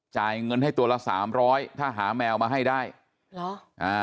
จ่ายเงินให้ตัวละสามร้อยถ้าหาแมวมาให้ได้เหรออ่า